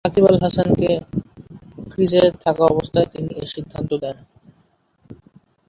সাকিব আল হাসানকে ক্রিজে থাকা অবস্থায় তিনি এ সিদ্ধান্ত দেন।